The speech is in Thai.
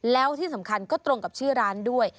แล้วที่สำคัญก็ตรงกับชื่อร้านด้วย